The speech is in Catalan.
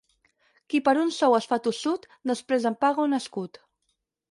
Qui per un sou es fa tossut, després en paga un escut.